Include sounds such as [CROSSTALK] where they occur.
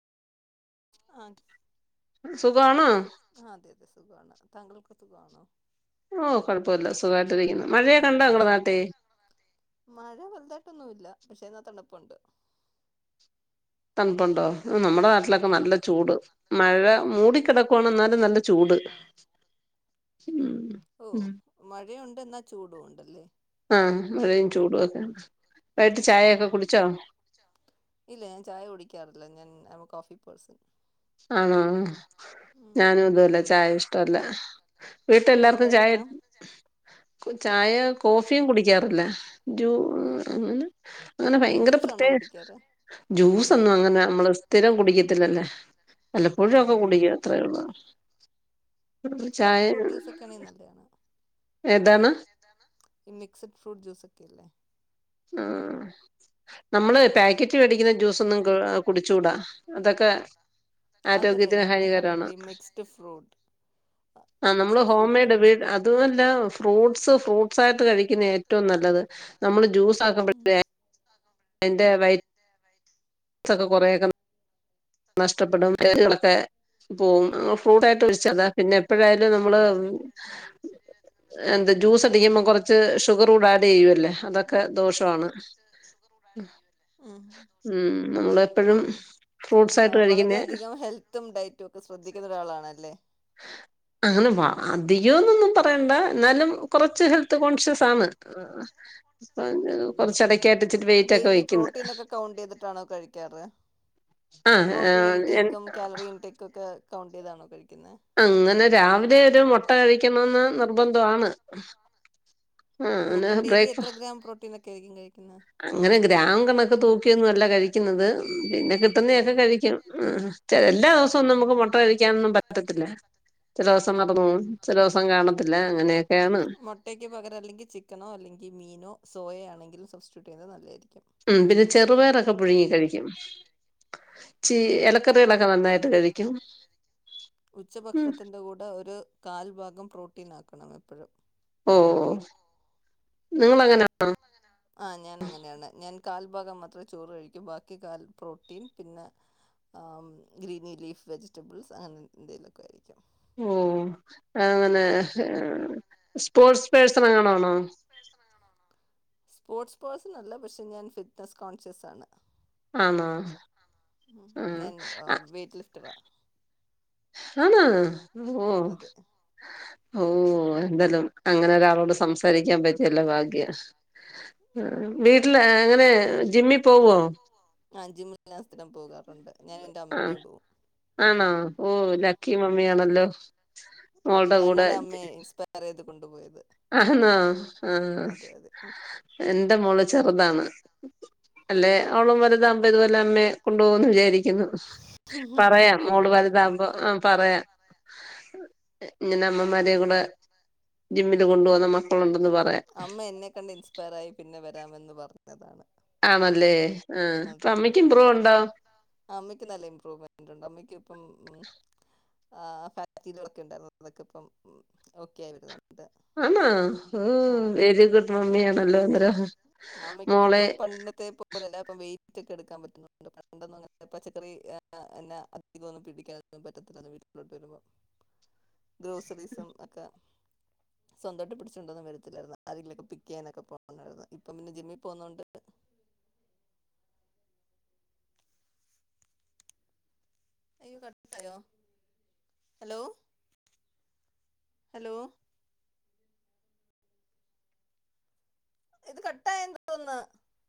ആഹ് ആഹ് സുഖാണോ സുഗാണോ? അതെ അതെ സുഖാണ് താങ്കൾക്ക് സുഗാണോ? ഉം. കുഴപ്പല്ല. സുഖായിട്ടിരിക്കുന്നു. മഴടണ്ടോ നിങ്ങള നാട്ടി മഴ വലുതായിട്ടൊന്നുല്ല. പക്ഷേ എന്നാ തണുപ്പുണ്ട്. തണുപ്പുണ്ടോ. നമ്മുടെ നാട്ടിലൊക്കെ നല്ല ചൂട്. മഴ മൂടിക്കിടക്കുവാണ എന്നാലും നല്ല ചൂട്. ഉം ഓ മഴയുണ്ട് എന്നാ ചൂടും ഉണ്ടല്ലേ. ആ മഴയും ചൂടൊക്കെയാണ് ഇല്ല ഞാൻ ചായ കുടിക്കാറില്ല ഞാൻ [UNINTELLIGIBLE] കോഫി പേഴ്സൺ. ആണോ ഉം ഉം ഞാനും ഇതല്ല ചായ ഇഷ്ടല്ല പിന്നെ വീട്ടെല്ലാർക്കും എന്താണ് ചായ ഇഷ്ടം ചായ കോഫിയും കുടിക്കാറില്ല ജൂ [UNINTELLIGIBLE] അങ്ങനെ ഭയങ്കര ജ്യൂസാണോ പ്രത്യേക കുടിക്കാറ് ജ്യൂസൊന്നും അങ്ങനെ നമ്മള് സ്ഥിരം കുടിക്കത്തില്ലല്ല. എപ്പോഴുക്കെ ഉം കുടിക്കും അത്രേയുള്ള്. കട്ട് ഫ്രൂട്ട് ജ്യൂസൊക്കെയാണേ നല്ലയാണ്. ഏതാണ് ഈ മിക്സ്ഡ് ഫ്രൂട്ട് ജ്യൂസക്കയല്ലേ. ആ നമ്മള് പാക്കറ്റ് മേടിക്കുന്ന ജ്യൂസൊന്നും ക കുടിച്ചൂടാ അതൊക്കെ അതല്ല ആരോഗ്യത്തിന് ഞാൻ പറഞ്ഞ ഹാനികാരമാണ് കട്ട് ഈ മിക്സ്ഡ് ഫ്രൂട്ട് ആ നമ്മള് മിക്സ്ഡ് ഹോം ഫ്രൂട്ട് മെയ്ഡ് വീ അതുമല്ല ഫ്രൂട്ട്സ് ഫ്രൂട്ട്സ് ആയിട്ട് കഴിക്കുന്ന ഏറ്റവും നല്ലത് നമ്മള് ജ്യൂസ് നല്ലത് ഉം എന്റെ വൈ സ്ക്കെ കൊറേയക്കെ നഷ്ടപ്പെടും [UNINTELLIGIBLE] പോവും ഫ്രൂട്ട് ആയിട്ട് വിളിച്ചതാ പിന്നെ എപ്പഴായാലും നമ്മള് എന്ത് ജ്യൂസ് അടിക്കുമ്പം കൊറച്ച് ഷുഗർ കൂടെ ആഡയ്യുല്ല. ഉം നമ്മളെപ്പഴും ആ വളരെയധികം ഹെൽത്തും ഡയറ്റും ഒക്കെ ശ്രദ്ധിക്കുന്ന ഒരാളാണല്ലേ. അങ്ങനെ വ അധികംന്നൊന്നും പറയണ്ട എന്നാലും കൊറച്ച് ഹെൽത്ത് കോൺഷ്യസ് ആണ് ഹ് ഹ്. അപ്പ കൊറച്ചടക്കായിട്ട് ച്ചിട്ട് വെയിറ്റ്ക്കെ ഡെയിലി വയ്ക്കുന്ന്. പ്രോട്ടീനൊക്കെ കൗണ്ട് ചെയ്തിട്ടാണോ കഴിക്കാറ് ആ പ്രോട്ടീൻ, ഇൻടേക്കും, കാലറി, ഇൻടേക്ക് ഒക്കെ കൗണ്ട് ചെയ്താണോ കഴിക്ക്ന്നേ? അങ്ങനെ രാവിലെ ഒരു മുട്ട കഴിക്കണന്ന് നിർബന്ധമാണ്. ആ ഓ അങ്ങനെ അപ്പം ഡെയിലി ബ്രേക്ക് എത്ര ഗ്രാം പ്രോട്ടീൻ ഒക്കെ ആയിരിക്കും കഴിക്കുന്നേ? അങ്ങനെ ഗ്രാം കണൊക്കെ തൂക്കിയൊന്നും അല്ല കഴിക്കുന്നത്. പിന്നെ ഓ കിട്ടുന്നൊക്കെ കഴിക്കും ഉം ചെ എല്ലാ ദിവസവും ഒന്നും നമുക്ക് മുട്ട കഴിക്കാനൊന്നും പറ്റത്തില്ല. ചെല ദിവസം [UNINTELLIGIBLE] ചില ദിവസം കാണത്തില്ല അങ്ങനെയക്കെയാണ്. മുട്ടയ്ക്ക് പകരം എല്ലെങ്കിൽ ചിക്കനോ അല്ലെങ്കി മീനോ സോയയാണെങ്കിൽ സബ്സ്റ്റിറ്റ്യൂട്ട് ചെയ്ത് നല്ലായിരിക്കും. ഉം പിന്നെ ചെറുപയറൊക്കെ പുഴുങ്ങി കഴിക്കും. ചീ ഉം ഇലക്കറികളൊക്കെ നന്നായിട്ട് കഴിക്കും ഉച്ച ഉം. ഭക്ഷണത്തിന്റെ കൂടെ ഒര് കാൽഭാഗം പ്രോട്ടീൻ ആക്കണം എപ്പഴും. ഓഹ് നിങ്ങളങ്ങനാണോ? [UNINTELLIGIBLE] ആ ഞാൻ അങ്ങനെയാണ് ഞാൻ കാൽഭാഗം മാത്രേ ചോറ് കഴിക്കും. ബാക്കി കാൽ പ്രോട്ടീൻ പിന്നെ ആം ഗ്രീനി ലീഫ് വെജിറ്റബിൾസ് അങ്ങനെ എന്തെലൊക്കെ കഴിക്കും. ഓഹ് അങ്ങനെ സ്പോർട്സ് പേഴ്സൺ അങ്ങനാണോ സ്പോർട്സ് സ്പോർട്സ് പേഴ്സൺ അല്ല പക്ഷെ ഞാൻ ഫിറ്റ്നസ്സ് കോൺഷ്യസ് ആണ്. ആണോ ഉം ആഹ് ഞാൻ വെയിറ്റ് ലിഫ്റ്ററ. ആണാ ഓഹ് അതെ ഓഹ് എന്താലും അങ്ങനെ ഒരാളോട് സ് സംസാരിക്കാൻ പറ്റിയല്ലോ ഭാഗ്യ. ആഹ് വീട്ടില് എങ്ങനെ ജിമ്മി പോവോ ആഹ് ജിമ്മിൽ ഞാൻ സ്ഥിരം പോകാറുണ്ട് ഞാനും എൻ്റെ ആഹ് അമ്മയും പോവും ആണോ ഓഹ് ഉം ലക്കി മമ്മിയാണല്ലോ അത് മോൾടെ കൂടെ ഞാനാണ് അമ്മയെ ഇൻസ്പയറെയ്ത് കൊണ്ടു പോയത് ആന്നോ ആഹ് എന്റെ മോള് ചെറുതാണ് അല്ലേ അവളും വലുതാ ഇതുപോലെ അമ്മേ കൊണ്ടു പോവുന്ന് വിചാരിക്കുന്നു പറയാം മോൾ കൊണ്ടുപോകും വലുതാകുമ്പോ പറയാം ഇങ്ങനെ അമ്മമാരെ കൂടേ ജിമ്മിന് ന് കൊണ്ട് പോകുന്ന മക്കളുണ്ടെന്ന് പറ അമ്മ എന്നെ കണ്ട് ഇൻസ്പയർ ആയി പിന്നെ വരാമെന്ന് പറഞ്ഞതാണ് ആണല്ലേ ആ അപ്പൊ അമ്മയ്ക്ക് ഇമ്പ്രൂവ് ഉണ്ടോ അമ്മക്ക് നല്ല ഇമ്പ്രൂവ്മെന്റ് ഉണ്ട് അമ്മക്ക് ഇപ്പം ആഹ് ഫാറ്റിലിവറൊക്കെ ഉണ്ടായിരുന്നു അതൊക്കെ ഇപ്പം ഓക്കെ ആയി വരുന്നുണ്ട് ആണോ ഹും വെരി ഗുഡ് മമ്മിയാണല്ലോ അന്നേരം മോളെ അമ്മക്കിപ്പം പണ്ടത്തെ പോ ലല്ല ഇപ്പം വെയ്റ്റ് ഒക്കെ എടുക്കാൻ പറ്റുന്നുണ്ട് പണ്ടൊന്നും അങ്ങന പച്ചക്കറി ആഹ് എന്നാ അധികൊന്നും പിടിക്കാനൊന്നും പറ്റത്തില്ല വീട്ടിലോട്ട് വരുമ്പോ [INAUDIBLE] ഗ്രോസറീസും ഒക്കെ സ്വന്തായിട്ട് പിടിച്ചോണ്ടൊന്നും വരത്തില്ലായിരുന്നു ആരെങ്കിലൊക്കെ പിക്ക് ചെയ്യാനൊക്കെ പോണായിരുന്നു ഇപ്പം പിന്നെ ജിമ്മി പോവ്ന്നോണ്ട് അയ്യോ കട്ടായോ ഹലോ ഹലോ ഇത് കട്ടായെന്ന് തോന്നന്ന്